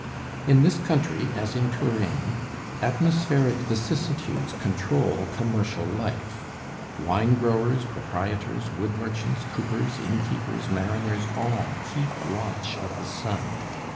In this country, as in Touraine, atmospheric vicissitudes control commercial life. Wine growers, proprietors, wood merchants, coopers, inn keepers, mariners, all keep watch of the sun.